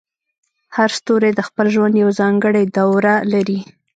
هر ستوری د خپل ژوند یوه ځانګړې دوره لري.